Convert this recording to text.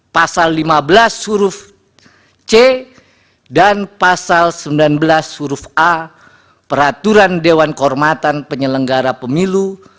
pasal lima belas huruf c dan pasal sembilan belas huruf a peraturan dewan kehormatan penyelenggara pemilu